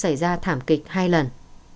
xảy ra thảm kịch hai lần